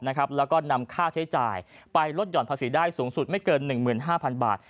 แล้วก็นำค่าใช้จ่ายไปลดห่อนภาษีได้สูงสุดไม่เกิน๑๕๐๐๐บาท